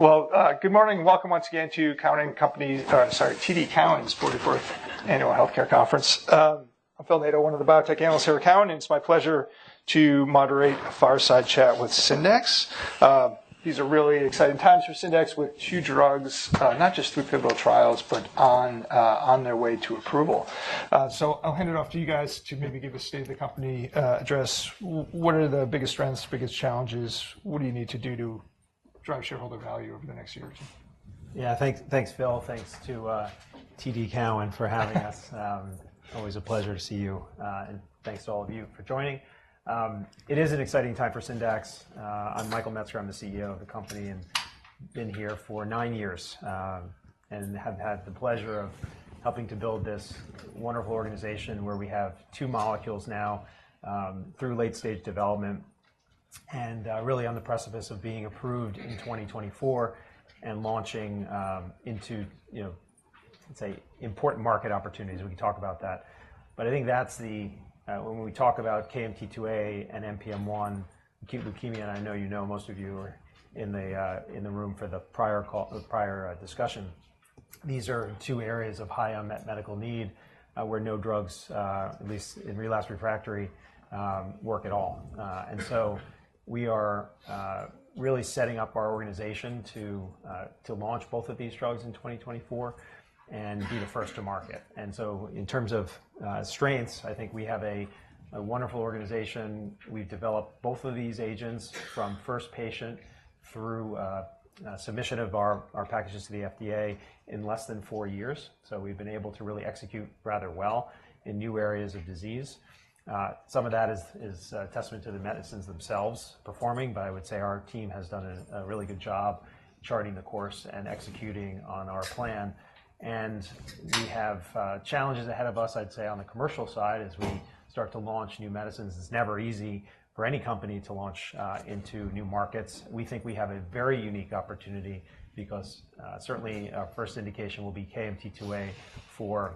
Well, good morning. Welcome once again to TD Cowen’s 44th Annual Healthcare Conference. I'm Phil Nadeau, one of the biotech analysts here at Cowen, and it's my pleasure to moderate a fireside chat with Syndax. These are really exciting times for Syndax with two drugs, not just through pivotal trials, but on their way to approval. I'll hand it off to you guys to maybe give us a state of the company address. What are the biggest strengths, biggest challenges? What do you need to do to drive shareholder value over the next year or two? Yeah, thanks, Phil. Thanks to TD Cowen for having us. Always a pleasure to see you, and thanks to all of you for joining. It is an exciting time for Syndax. I'm Michael Metzger. I'm the CEO of the company and been here for nine years and have had the pleasure of helping to build this wonderful organization where we have two molecules now through late-stage development and really on the precipice of being approved in 2024 and launching into, let's say, important market opportunities. We can talk about that. But I think that's the when we talk about KMT2A and NPM1, acute leukemia, and I know you know most of you are in the room for the prior discussion. These are two areas of high unmet medical need where no drugs, at least in relapse refractory, work at all. We are really setting up our organization to launch both of these drugs in 2024 and be the first to market. In terms of strengths, I think we have a wonderful organization. We've developed both of these agents from first patient through submission of our packages to the FDA in less than four years. We've been able to really execute rather well in new areas of disease. Some of that is testament to the medicines themselves performing, but I would say our team has done a really good job charting the course and executing on our plan. We have challenges ahead of us, I'd say, on the commercial side as we start to launch new medicines. It's never easy for any company to launch into new markets. We think we have a very unique opportunity because certainly our first indication will be KMT2A for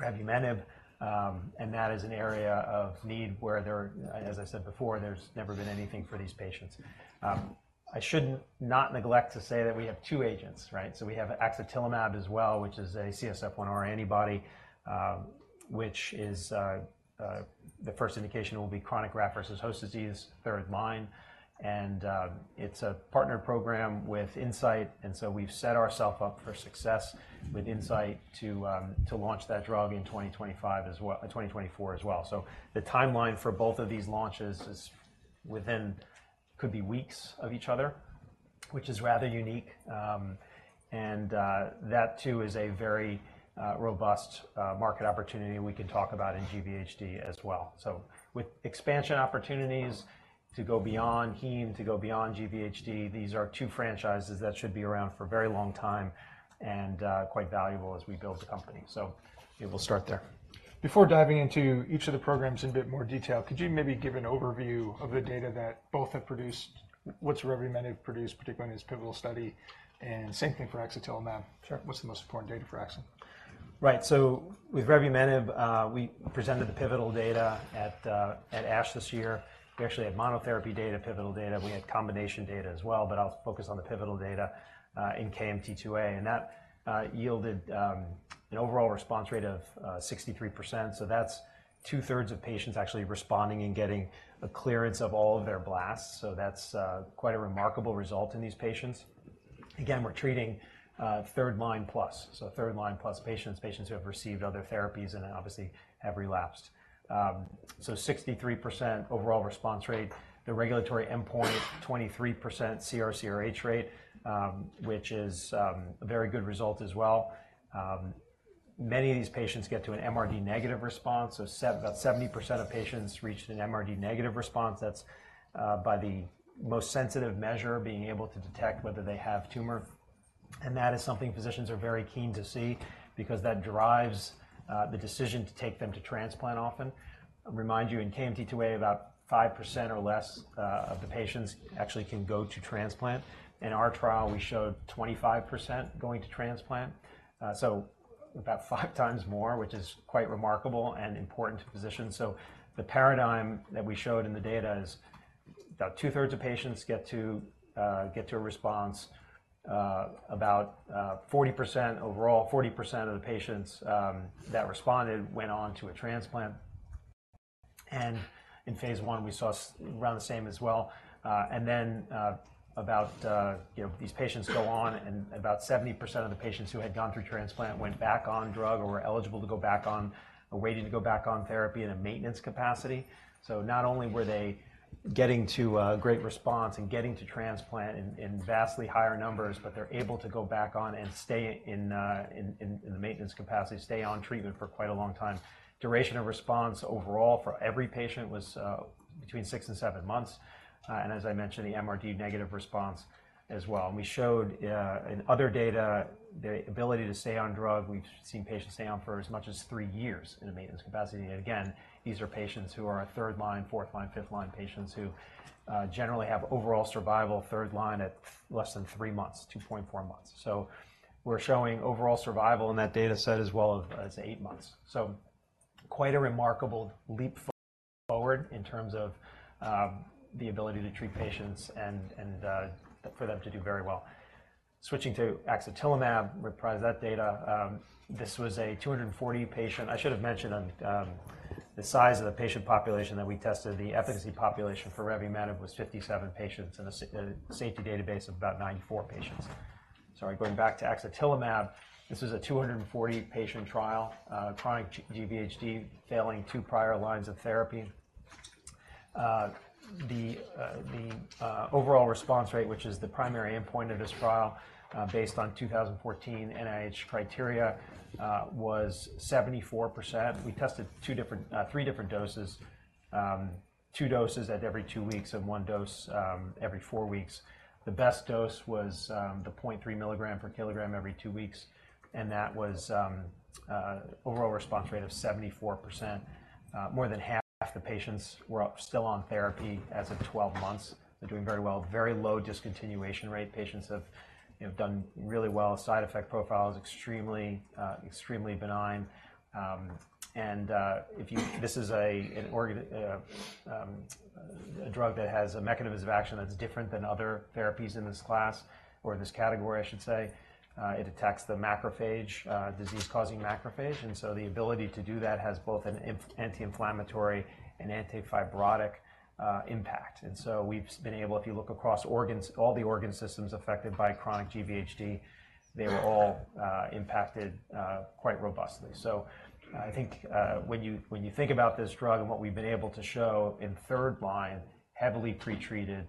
revumenib, and that is an area of need where there are, as I said before, there's never been anything for these patients. I should not neglect to say that we have two agents, right? So we have axatilimab as well, which is a CSF-1R antibody, which is the first indication will be chronic graft-versus-host disease, third line. And it's a partner program with Incyte, and so we've set ourselves up for success with Incyte to launch that drug in 2024 as well. So the timeline for both of these launches could be weeks of each other, which is rather unique. And that too is a very robust market opportunity we can talk about in cGVHD as well. With expansion opportunities to go beyond heme, to go beyond cGVHD, these are two franchises that should be around for a very long time and quite valuable as we build the company. Maybe we'll start there. Before diving into each of the programs in a bit more detail, could you maybe give an overview of the data that both have produced, what's revumenib produced, particularly in this pivotal study, and same thing for axatilimab? What's the most important data for axatilimab? Right. So with revumenib, we presented the pivotal data at ASH this year. We actually had monotherapy data, pivotal data. We had combination data as well, but I'll focus on the pivotal data in KMT2A. And that yielded an overall response rate of 63%. So that's 2/3 of patients actually responding and getting a clearance of all of their blasts. So that's quite a remarkable result in these patients. Again, we're treating third line plus, so third line plus patients, patients who have received other therapies and obviously have relapsed. So 63% overall response rate, the regulatory endpoint, 23% CR/CRH rate, which is a very good result as well. Many of these patients get to an MRD-negative response. So about 70% of patients reached an MRD-negative response. That's by the most sensitive measure, being able to detect whether they have tumor. That is something physicians are very keen to see because that drives the decision to take them to transplant often. Remind you, in KMT2A, about 5% or less of the patients actually can go to transplant. In our trial, we showed 25% going to transplant, so about five times more, which is quite remarkable and important to physicians. The paradigm that we showed in the data is about 2/3 of patients get to a response. About 40% overall, 40% of the patients that responded went on to a transplant. And in phase I, we saw around the same as well. And then these patients go on, and about 70% of the patients who had gone through transplant went back on drug or were eligible to go back on or waiting to go back on therapy in a maintenance capacity. So not only were they getting to a great response and getting to transplant in vastly higher numbers, but they're able to go back on and stay in the maintenance capacity, stay on treatment for quite a long time. Duration of response overall for every patient was between six and seven months. And as I mentioned, the MRD-negative response as well. And we showed in other data the ability to stay on drug. We've seen patients stay on for as much as three years in a maintenance capacity. And again, these are patients who are third line, fourth line, fifth line patients who generally have overall survival third line at less than three months, 2.4 months. So we're showing overall survival in that data set as well of it's eight months. So quite a remarkable leap forward in terms of the ability to treat patients and for them to do very well. Switching to axatilimab, reprise that data. This was a 240-patient I should have mentioned the size of the patient population that we tested. The efficacy population for revumenib was 57 patients and a safety database of about 94 patients. Sorry, going back to axatilimab, this was a 240-patient trial, chronic GVHD failing two prior lines of therapy. The overall response rate, which is the primary endpoint of this trial based on 2014 NIH criteria, was 74%. We tested three different doses, two doses at every two weeks and one dose every four weeks. The best dose was the 0.3 mg per kg every two weeks, and that was overall response rate of 74%. More than half the patients were still on therapy as of 12 months. They're doing very well, very low discontinuation rate. Patients have done really well. Side effect profile is extremely benign. And this is a drug that has a mechanism of action that's different than other therapies in this class or in this category, I should say. It attacks the macrophage, disease-causing macrophage. And so the ability to do that has both an anti-inflammatory and antifibrotic impact. And so we've been able if you look across all the organ systems affected by chronic cGVHD, they were all impacted quite robustly. So I think when you think about this drug and what we've been able to show in third line, heavily pretreated,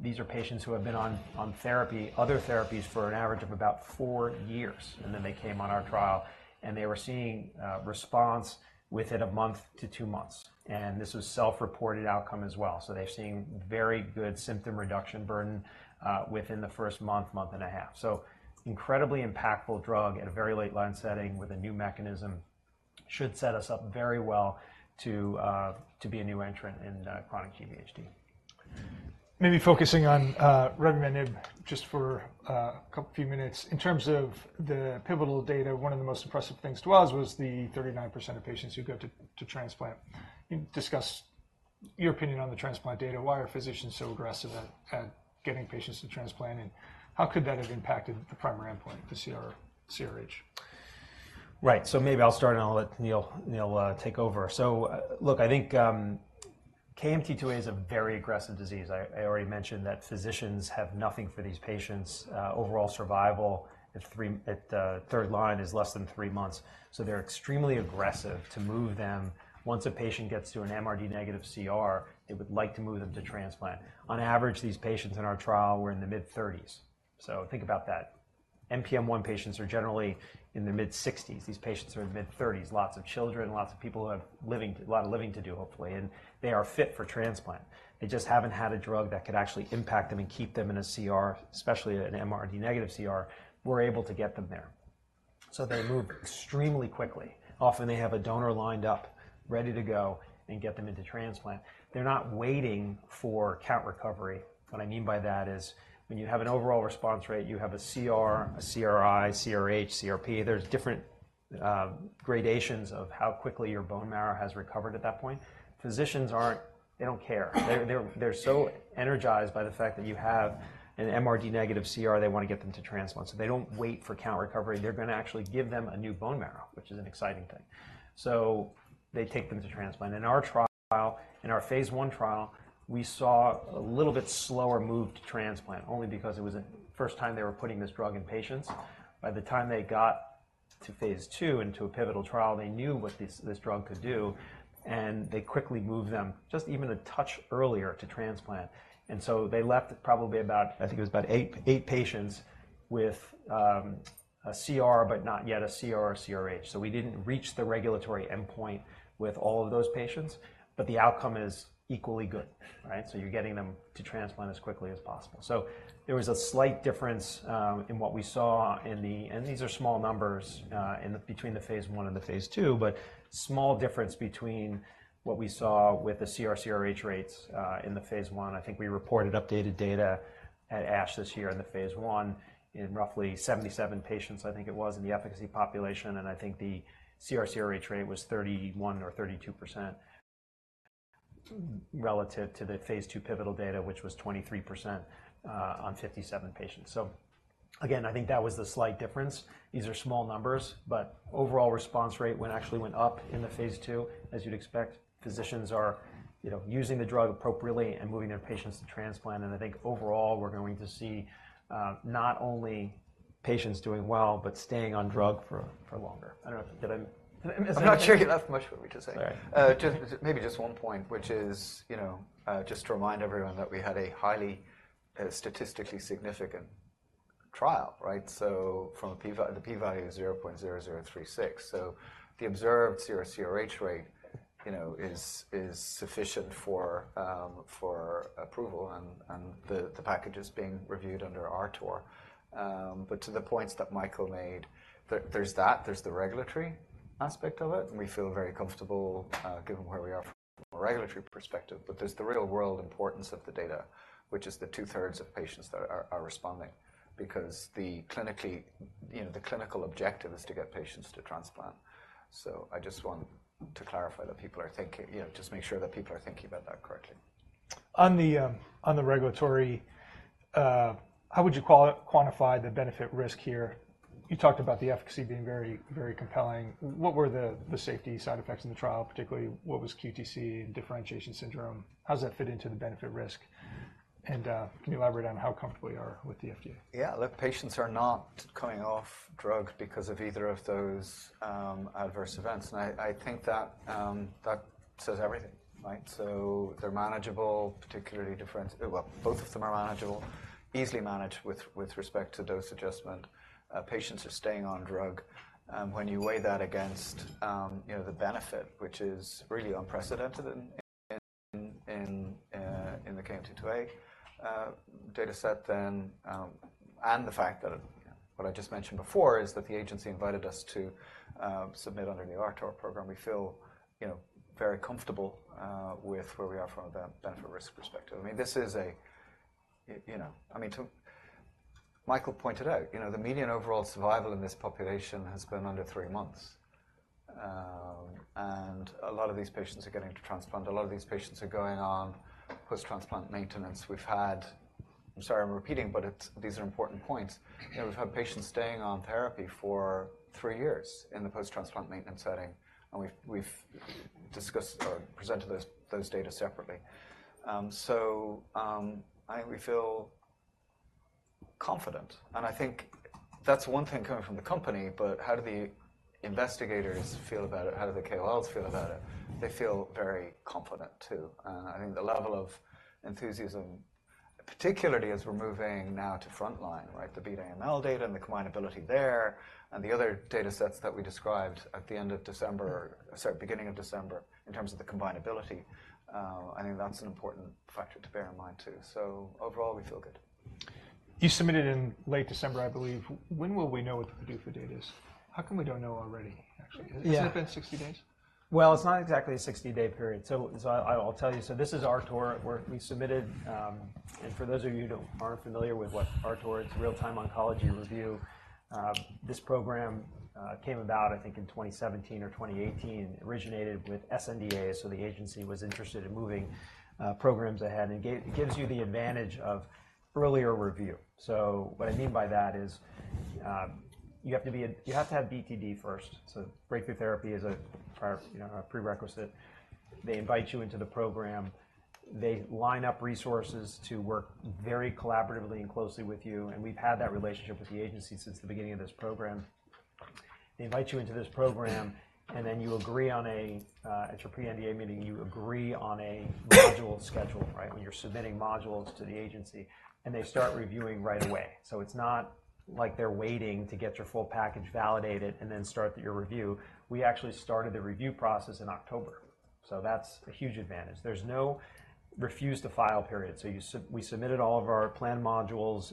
these are patients who have been on other therapies for an average of about four years, and then they came on our trial, and they were seeing response within a month to two months. And this was self-reported outcome as well. They're seeing very good symptom reduction burden within the first month, month and a half. So incredibly impactful drug at a very late line setting with a new mechanism should set us up very well to be a new entrant in chronic GVHD. Maybe focusing on revumenib just for a few minutes. In terms of the pivotal data, one of the most impressive things to us was the 39% of patients who go to transplant. Discuss your opinion on the transplant data. Why are physicians so aggressive at getting patients to transplant, and how could that have impacted the primary endpoint, the CR/CRH? Right. So maybe I'll start, and I'll let Neil take over. So look, I think KMT2A is a very aggressive disease. I already mentioned that physicians have nothing for these patients. Overall survival at third line is less than three months. So they're extremely aggressive to move them. Once a patient gets to an MRD-negative CR, they would like to move them to transplant. On average, these patients in our trial were in the mid-30s. So think about that. NPM1 patients are generally in the mid-60s. These patients are in the mid-30s, lots of children, lots of people who have a lot of living to do, hopefully, and they are fit for transplant. They just haven't had a drug that could actually impact them and keep them in a CR, especially an MRD-negative CR. We're able to get them there. So they move extremely quickly. Often, they have a donor lined up ready to go and get them into transplant. They're not waiting for count recovery. What I mean by that is when you have an overall response rate, you have a CR, a CRI, CRH, CRP. There's different gradations of how quickly your bone marrow has recovered at that point. Physicians, they don't care. They're so energized by the fact that you have an MRD-negative CR, they want to get them to transplant. So they don't wait for count recovery. They're going to actually give them a new bone marrow, which is an exciting thing. So they take them to transplant. In our phase one trial, we saw a little bit slower move to transplant only because it was the first time they were putting this drug in patients. By the time they got to phase II and to a pivotal trial, they knew what this drug could do, and they quickly moved them just even a touch earlier to transplant. And so they left probably about, I think it was about eight patients with a CR but not yet a CR or CRH. So we didn't reach the regulatory endpoint with all of those patients, but the outcome is equally good, right? So you're getting them to transplant as quickly as possible. So there was a slight difference in what we saw in the and these are small numbers between the phase I and the phase II, but small difference between what we saw with the CR/CRH rates in the phase I. I think we reported updated data at ASH this year in the phase I in roughly 77 patients, I think it was, in the efficacy population. And I think the CR/CRH rate was 31% or 32% relative to the phase II pivotal data, which was 23% on 57 patients. So again, I think that was the slight difference. These are small numbers, but overall response rate actually went up in the phase II, as you'd expect. Physicians are using the drug appropriately and moving their patients to transplant. And I think overall, we're going to see not only patients doing well but staying on drug for longer. I don't know if did I. I'm not sure you asked much for me to say. Maybe just one point, which is just to remind everyone that we had a highly statistically significant trial, right? So the p-value is 0.0036. So the observed CR/CRH rate is sufficient for approval, and the package is being reviewed under RTOR. But to the points that Michael made, there's that. There's the regulatory aspect of it, and we feel very comfortable given where we are from a regulatory perspective. But there's the real-world importance of the data, which is the 2/3 of patients that are responding because the clinical objective is to get patients to transplant. So I just want to clarify that people are thinking about that correctly. On the regulatory, how would you quantify the benefit-risk here? You talked about the efficacy being very, very compelling. What were the safety side effects in the trial, particularly what was QTc and differentiation syndrome? How does that fit into the benefit-risk? And can you elaborate on how comfortable you are with the FDA? Yeah. Look, patients are not coming off drug because of either of those adverse events. And I think that says everything, right? So they're manageable, particularly well, both of them are manageable, easily managed with respect to dose adjustment. Patients are staying on drug. When you weigh that against the benefit, which is really unprecedented in the KMT2A dataset then and the fact that what I just mentioned before is that the agency invited us to submit under the RTOR program. We feel very comfortable with where we are from a benefit-risk perspective. I mean, this is a I mean, Michael pointed out, the median overall survival in this population has been under three months. And a lot of these patients are getting to transplant. A lot of these patients are going on post-transplant maintenance. We've had I'm sorry I'm repeating, but these are important points. We've had patients staying on therapy for three years in the post-transplant maintenance setting, and we've presented those data separately. So we feel confident. And I think that's one thing coming from the company, but how do the investigators feel about it? How do the KOLs feel about it? They feel very confident too. And I think the level of enthusiasm, particularly as we're moving now to frontline, right, the Beat AML data and the combinability there and the other datasets that we described at the end of December, sorry, beginning of December in terms of the combinability, I think that's an important factor to bear in mind too. So overall, we feel good. You submitted in late December, I believe. When will we know what the PDUFA date is? How come we don't know already, actually? Has it been 60 days? Well, it's not exactly a 60-day period. So I'll tell you. So this is RTOR. We submitted, and for those of you who aren't familiar with what RTOR is, Real-Time Oncology Review, this program came about, I think, in 2017 or 2018, originated with SNDX. So the agency was interested in moving programs ahead. And it gives you the advantage of earlier review. So what I mean by that is you have to be a you have to have BTD first. So breakthrough therapy is a prerequisite. They invite you into the program. They line up resources to work very collaboratively and closely with you. And we've had that relationship with the agency since the beginning of this program. They invite you into this program, and then you agree on a module schedule at your pre-NDA meeting, right, when you're submitting modules to the agency, and they start reviewing right away. It's not like they're waiting to get your full package validated and then start your review. We actually started the review process in October. That's a huge advantage. There's no refuse-to-file period. We submitted all of our planned modules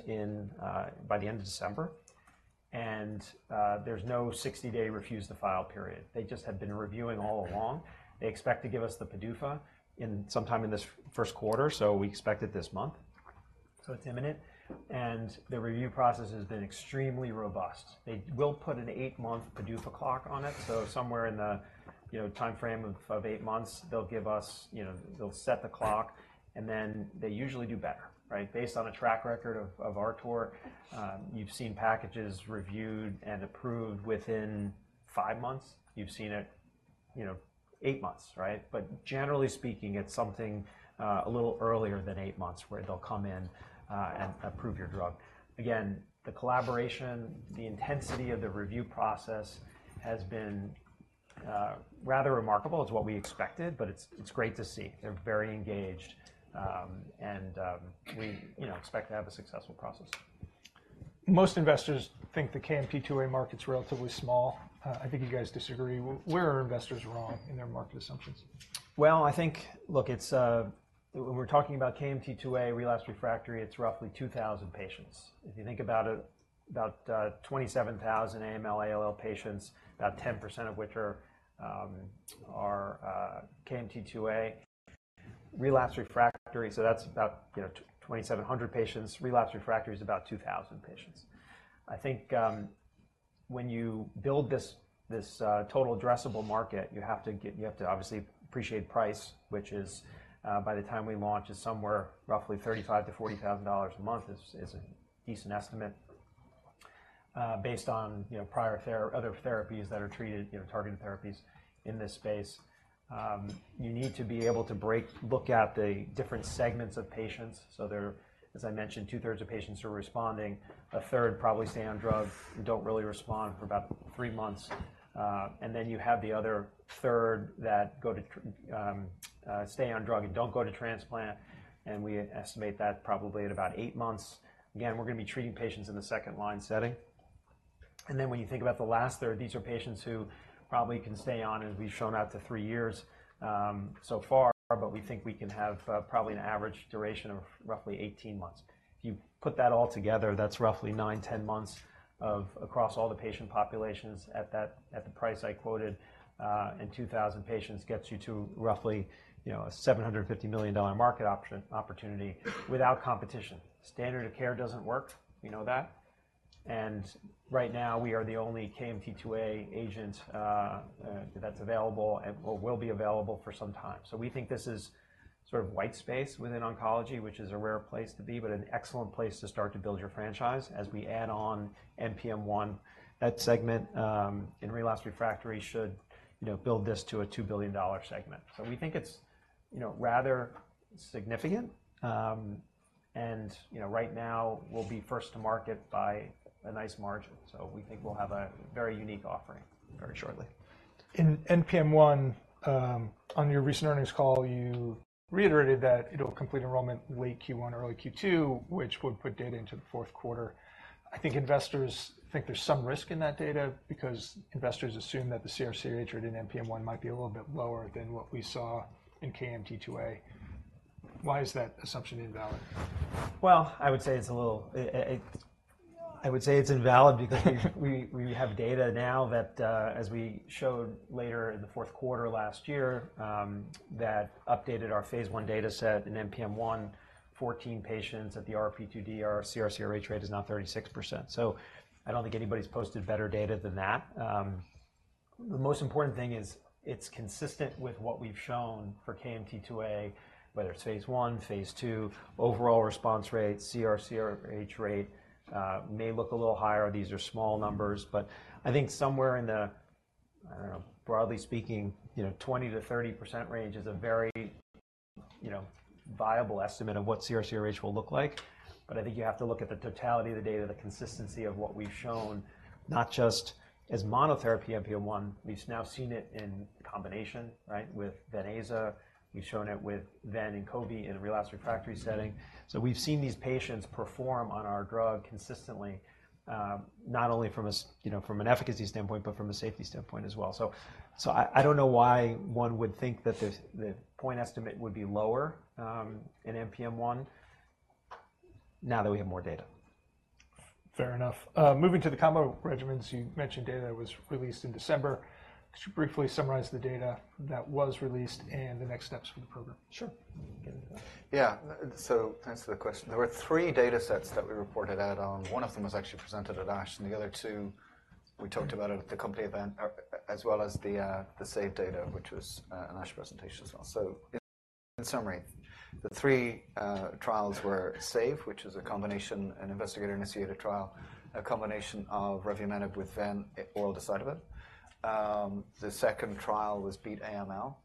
by the end of December, and there's no 60-day refuse-to-file period. They just have been reviewing all along. They expect to give us the PDUFA sometime in this first quarter. We expect it this month. It's imminent. The review process has been extremely robust. They will put an eight-month PDUFA clock on it. So somewhere in the time frame of eight months, they'll set the clock, and then they usually do better, right? Based on a track record of RTOR, you've seen packages reviewed and approved within five months. You've seen it eight months, right? But generally speaking, it's something a little earlier than eight months where they'll come in and approve your drug. Again, the collaboration, the intensity of the review process has been rather remarkable. It's what we expected, but it's great to see. They're very engaged, and we expect to have a successful process. Most investors think the KMT2A market's relatively small. I think you guys disagree. Where are investors wrong in their market assumptions? Well, I think, look, when we're talking about KMT2A, relapse refractory, it's roughly 2,000 patients. If you think about it, about 27,000 AML/ALL patients, about 10% of which are KMT2A. Relapse refractory, so that's about 2,700 patients. Relapse refractory is about 2,000 patients. I think when you build this total addressable market, you have to obviously appreciate price, which is by the time we launch, is somewhere roughly $35,000-$40,000 a month is a decent estimate based on prior other therapies that are treated, targeted therapies in this space. You need to be able to look at the different segments of patients. So as I mentioned, 2/3 of patients are responding. A third probably stay on drug and don't really respond for about three months. Then you have the other third that stay on drug and don't go to transplant, and we estimate that probably at about eight months. Again, we're going to be treating patients in the second line setting. And then when you think about the last third, these are patients who probably can stay on, as we've shown out, to three years so far, but we think we can have probably an average duration of roughly 18 months. If you put that all together, that's roughly nine-10 months across all the patient populations. At the price I quoted in 2,000 patients gets you to roughly a $750 million market opportunity without competition. Standard of care doesn't work. We know that. And right now, we are the only KMT2A agent that's available or will be available for some time. So we think this is sort of white space within oncology, which is a rare place to be but an excellent place to start to build your franchise as we add on NPM1. That segment in relapse refractory should build this to a $2 billion segment. So we think it's rather significant. And right now, we'll be first to market by a nice margin. So we think we'll have a very unique offering very shortly. In NPM1, on your recent earnings call, you reiterated that it'll complete enrollment late Q1, early Q2, which would put data into the fourth quarter. I think investors think there's some risk in that data because investors assume that the CR/CRH rate in NPM1 might be a little bit lower than what we saw in KMT2A. Why is that assumption invalid? Well, I would say it's a little invalid because we have data now that, as we showed later in the fourth quarter last year, that updated our phase I dataset in NPM1, 14 patients at the RP2D. CR/CRH rate is now 36%. So I don't think anybody's posted better data than that. The most important thing is it's consistent with what we've shown for KMT2A, whether it's phase I, phase II. Overall response rate, CR/CRH rate may look a little higher. These are small numbers. But I think somewhere in the, I don't know, broadly speaking, 20%-30% range is a very viable estimate of what CR/CRH will look like. But I think you have to look at the totality of the data, the consistency of what we've shown, not just as monotherapy NPM1. We've now seen it in combination, right, with venetoclax. We've shown it with Ven Inqovi in a relapse refractory setting. So we've seen these patients perform on our drug consistently, not only from an efficacy standpoint but from a safety standpoint as well. So I don't know why one would think that the point estimate would be lower in NPM1 now that we have more data. Fair enough. Moving to the combo regimens, you mentioned data that was released in December. Could you briefly summarize the data that was released and the next steps for the program? Sure. Yeah. So thanks for the question. There were three datasets that we reported out on. One of them was actually presented at ASH. And the other two, we talked about it at the company event as well as the SAVE data, which was an ASH presentation as well. So in summary, the three trials were SAVE, which is an investigator-initiated trial, a combination of revumenib with venetoclax oral decitabine. The second trial was beat AML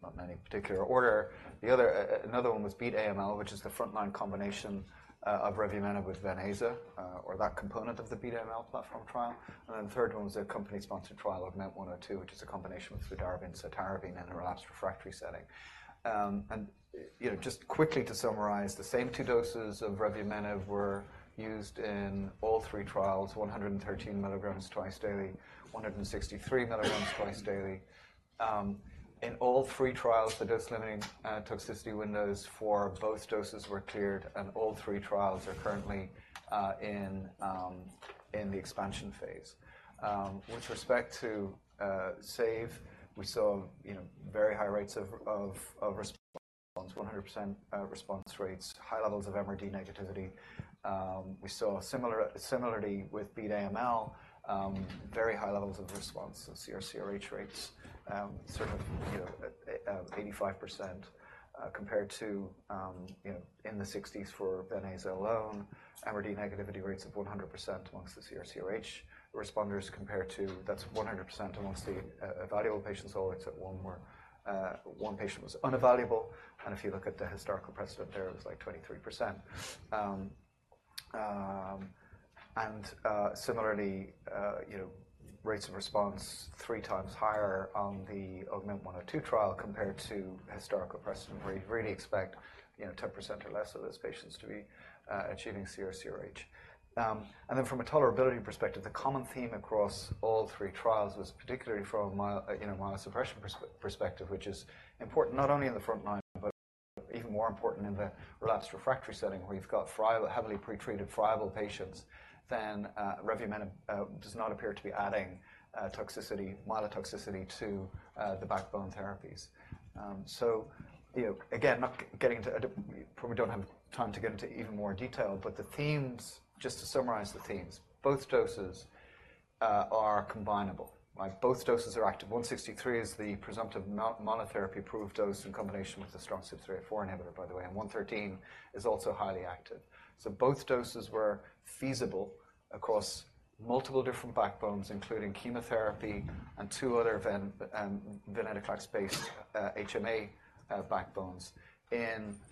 not in any particular order. Another one was beat AML, which is the frontline combination of revumenib with venetoclax or that component of the beat AML platform trial. And then the third one was a company-sponsored trial of MEMP102, which is a combination of fludarabine/cytarabine in a relapse refractory setting. And just quickly to summarize, the same two doses of revumenib were used in all three trials, 113 mg twice daily, 163 mg twice daily. In all three trials, the dose-limiting toxicity windows for both doses were cleared, and all three trials are currently in the expansion phase. With respect to SAVE, we saw very high rates of response, 100% response rates, high levels of MRD negativity. We saw similarity with beat AML, very high levels of response of CR/CRH rates, sort of 85% compared to in the 60s for venetoclax alone, MRD negativity rates of 100% amongst the CR/CRH responders compared to that's 100% amongst the evaluable patients. Oh, it's at one more. One patient was unevaluable. And if you look at the historical precedent there, it was like 23%. And similarly, rates of response 3x higher on the AUGMENT-102 trial compared to historical precedent, where you'd really expect 10% or less of those patients to be achieving CR/CRH. Then from a tolerability perspective, the common theme across all three trials was particularly from a myelosuppression perspective, which is important not only in the front line but even more important in the relapsed/refractory setting where you've got heavily pretreated friable patients. Revumenib does not appear to be adding myelotoxicity to the backbone therapies. So again, not getting into probably don't have time to get into even more detail, but the themes just to summarize the themes, both doses are combinable. Both doses are active. 163 is the presumptive monotherapy-proof dose in combination with a strong CYP3A4 inhibitor, by the way, and 113 is also highly active. So both doses were feasible across multiple different backbones, including chemotherapy and two other venetoclax-based HMA backbones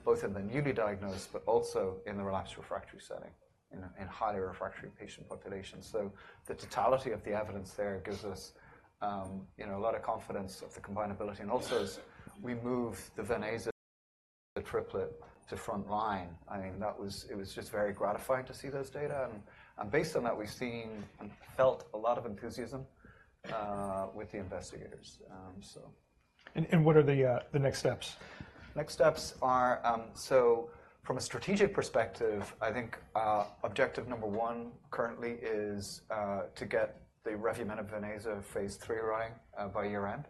both in the newly diagnosed but also in the relapsed/refractory setting in highly refractory patient populations. So the totality of the evidence there gives us a lot of confidence in the combinability. And also, as we moved the venetoclax triplet to frontline, I mean, it was just very gratifying to see those data. And based on that, we've seen and felt a lot of enthusiasm with the investigators, so. What are the next steps? Next steps are so from a strategic perspective, I think objective number one currently is to get the revumenib/venetoclax phase III running by year-end.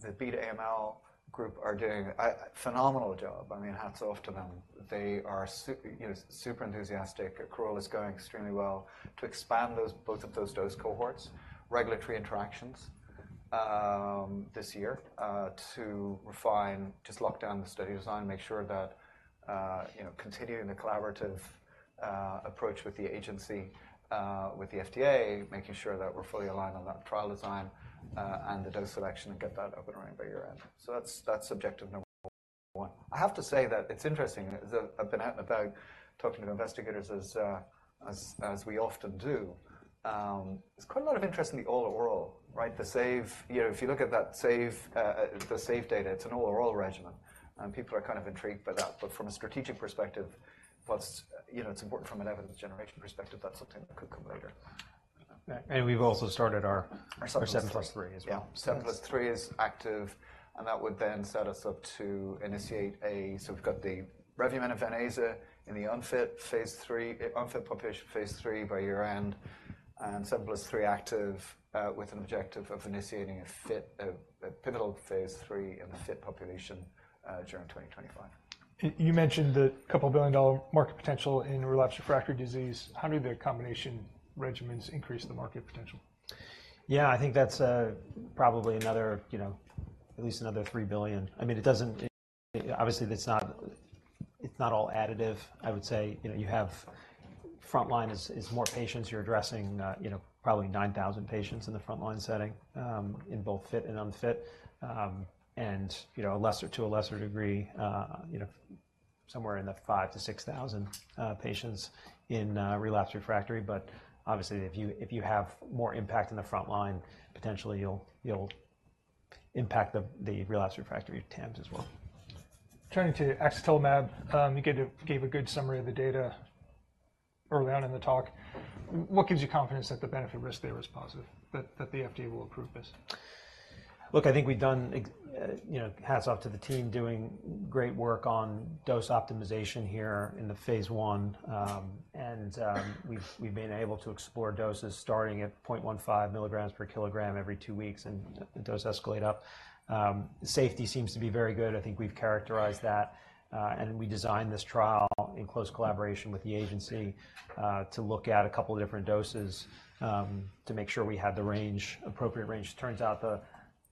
The beat AML group are doing a phenomenal job. I mean, hats off to them. They are super enthusiastic. Accrual is going extremely well. To expand both of those dose cohorts, regulatory interactions this year to refine, just lock down the study design, make sure that continuing the collaborative approach with the agency, with the FDA, making sure that we're fully aligned on that trial design and the dose selection and get that up and running by year-end. So that's objective number one. I have to say that it's interesting. I've been out and about talking to investigators as we often do. There's quite a lot of interest in the all-oral, right? If you look at the SAVE data, it's an all-oral regimen, and people are kind of intrigued by that. But from a strategic perspective, it's important from an evidence generation perspective. That's something that could come later. We've also started our 7+3 as well. Yeah. 7+3 is active, and that would then set us up to initiate a so we've got the revumenib/venetoclax in the unfit population phase III by year-end and 7+3 active with an objective of initiating a pivotal phase III in the fit population during 2025. You mentioned the $2 billion market potential in relapse refractory disease. How do the combination regimens increase the market potential? Yeah. I think that's probably at least another $3 billion. I mean, obviously, it's not all additive, I would say. Frontline is more patients. You're addressing probably 9,000 patients in the frontline setting in both fit and unfit and to a lesser degree, somewhere in the 5,000-6,000 patients in relapse refractory. But obviously, if you have more impact in the frontline, potentially, you'll impact the relapse refractory TAMs as well. Turning to axatilimab, you gave a good summary of the data early on in the talk. What gives you confidence that the benefit-risk there is positive, that the FDA will approve this? Look, I think we've done hats off to the team doing great work on dose optimization here in the phase I. We've been able to explore doses starting at 0.15 mg per kg every two weeks, and the dose escalate up. Safety seems to be very good. I think we've characterized that. We designed this trial in close collaboration with the agency to look at a couple different doses to make sure we had the appropriate range. It turns out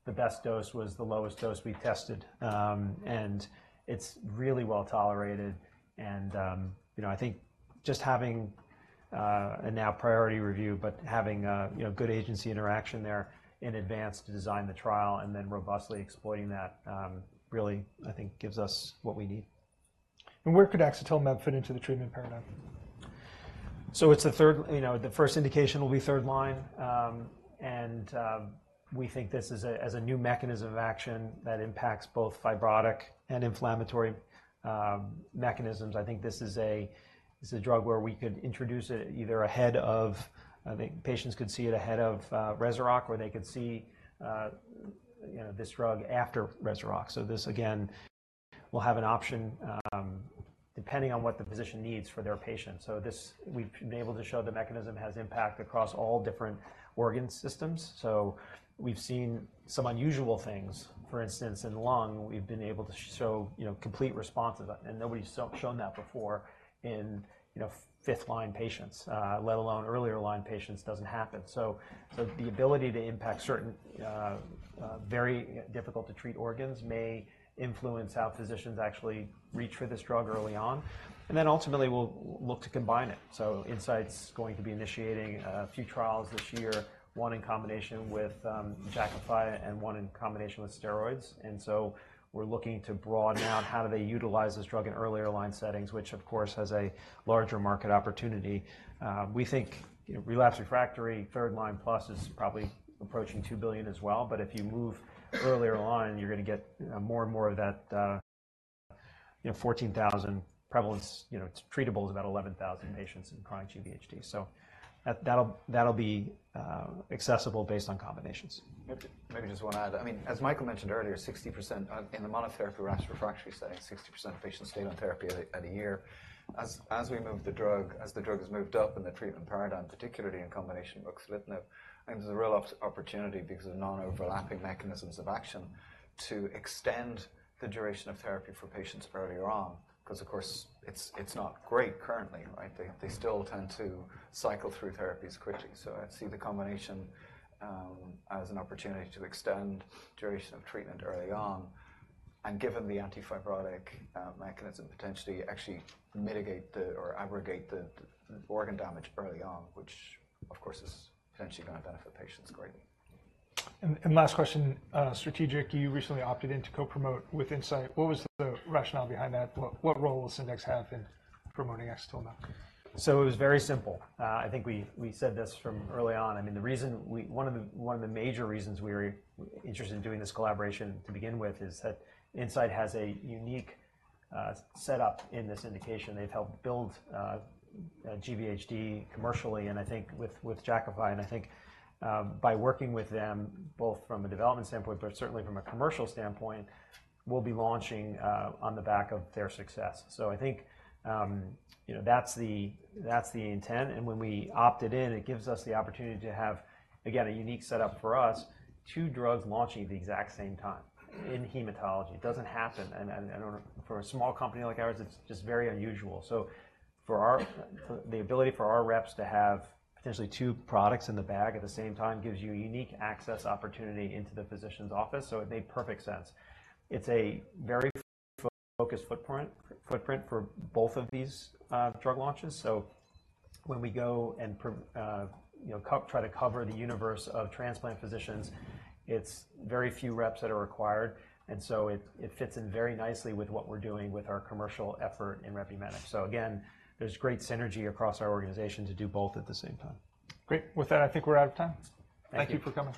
the best dose was the lowest dose we tested, and it's really well tolerated. I think just having a now priority review but having good agency interaction there in advance to design the trial and then robustly exploiting that really, I think, gives us what we need. Where could axatilimab fit into the treatment paradigm? So the first indication will be third-line. And we think this is a new mechanism of action that impacts both fibrotic and inflammatory mechanisms. I think this is a drug where we could introduce it either ahead of—I think patients could see it ahead of Rezurock, or they could see this drug after Rezurock. So this, again, will have an option depending on what the physician needs for their patient. So we've been able to show the mechanism has impact across all different organ systems. So we've seen some unusual things. For instance, in lung, we've been able to show complete responses, and nobody's shown that before in fifth-line patients, let alone earlier-line patients. It doesn't happen. So the ability to impact certain very difficult-to-treat organs may influence how physicians actually reach for this drug early on. And then ultimately, we'll look to combine it. So Incyte's going to be initiating a few trials this year, one in combination with Jakafi and one in combination with steroids. And so we're looking to broaden out how do they utilize this drug in earlier-line settings, which, of course, has a larger market opportunity. We think relapse refractory third-line plus is probably approaching $2 billion as well. But if you move earlier line, you're going to get more and more of that 14,000 prevalence treatables about 11,000 patients in chronic GVHD. So that'll be accessible based on combinations. Maybe just one add. I mean, as Michael mentioned earlier, in the monotherapy relapse refractory setting, 60% of patients stayed on therapy at a year. As we move the drug as the drug has moved up in the treatment paradigm, particularly in combination with ruxolitinib, I think there's a real opportunity because of non-overlapping mechanisms of action to extend the duration of therapy for patients earlier on because, of course, it's not great currently, right? They still tend to cycle through therapies quickly. So I see the combination as an opportunity to extend duration of treatment early on and given the antifibrotic mechanism potentially actually mitigate or aggravate the organ damage early on, which, of course, is potentially going to benefit patients greatly. Last question, strategic. You recently opted in to co-promote with Incyte. What was the rationale behind that? What role does Syndax have in promoting axatilimab? It was very simple. I think we said this from early on. I mean, one of the major reasons we were interested in doing this collaboration to begin with is that Incyte has a unique setup in this indication. They've helped build GVHD commercially, and I think with Jakafi and I think by working with them both from a development standpoint but certainly from a commercial standpoint, we'll be launching on the back of their success. I think that's the intent. When we opted in, it gives us the opportunity to have, again, a unique setup for us, two drugs launching at the exact same time in hematology. It doesn't happen. For a small company like ours, it's just very unusual. So the ability for our reps to have potentially two products in the bag at the same time gives you a unique access opportunity into the physician's office. So it made perfect sense. It's a very focused footprint for both of these drug launches. So when we go and try to cover the universe of transplant physicians, it's very few reps that are required. And so it fits in very nicely with what we're doing with our commercial effort in revumenib. So again, there's great synergy across our organization to do both at the same time. Great. With that, I think we're out of time. Thank you. Thank you for coming.